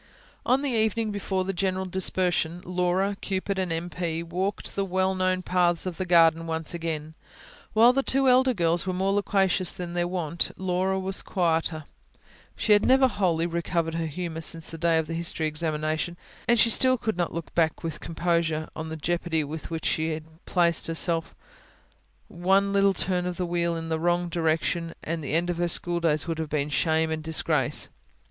On the evening before the general dispersion, Laura, Cupid, and M. P. walked the well known paths of the garden once again. While the two elder girls were more loquacious than their wont, Laura was quieter. She had never wholly recovered her humour since the day of the history examination; and she still could not look back, with composure, on the jeopardy in which she had placed herself one little turn of the wheel in the wrong direction, and the end of her schooldays would have been shame and disgrace.